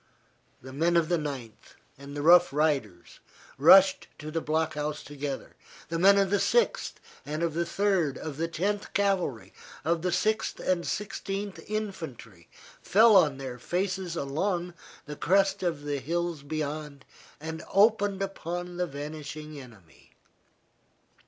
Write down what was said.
The men of the Ninth and the Rough Riders rushed to the block house together, the men of the Sixth, of the Third, of the Tenth Cavalry, of the Sixth and Sixteenth Infantry, fell on their faces along the crest of the hills beyond, and opened upon the vanishing enemy.